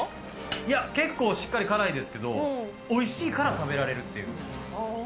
いや、結構しっかり辛いですけど、おいしいから食べられるっていう。